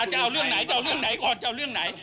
จะเอาเรื่องไหนจะเอาเรื่องไหนก่อนจะเอาเรื่องไหน